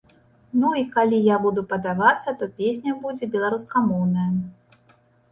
Ну і калі я буду падавацца, то песня будзе беларускамоўная.